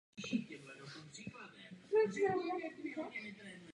Po dokončení hry si udělal dvouměsíční prázdniny.